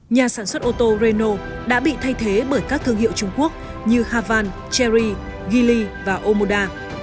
nhà sản xuất ô tô renault đã bị thay thế bởi các thương hiệu trung quốc như havan chery geely và omoda